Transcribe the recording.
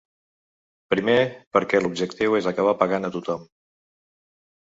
Primer perquè l’objectiu és acabar pagant a tothom.